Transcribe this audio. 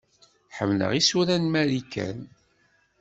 Ḥemmleɣ isura n Marikan.